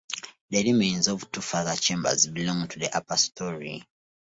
The remains of two further chambers belong to the upper storey.